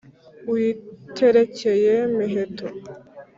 Uyiterekeye Miheto